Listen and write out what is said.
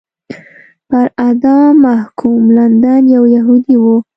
پر اعدام محکوم لندن یو یهودی و.